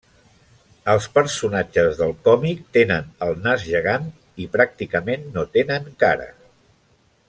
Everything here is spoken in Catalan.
Els personatges del còmic tenen el nas gegant, i pràcticament no tenen cara.